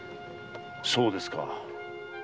そうですか。